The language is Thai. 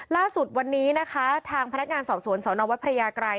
ล่าสุดวันนี้นะคะทางพนักงานสอบสวนสนวัดพระยากรัย